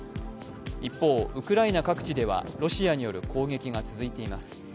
一方、ウクライナ各地ではロシアによる攻撃が続いています。